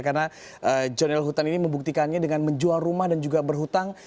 karena jonel hunt ini membuktikannya dengan menjual rumah dan juga berhutang